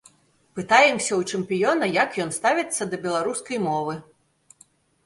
Пытаемся ў чэмпіёна, як ён ставіцца да беларускай мовы.